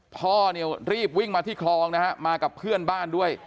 พ่อเนี่ยรีบวิ่งมาที่คลองนะฮะมากับเพื่อนบ้านด้วย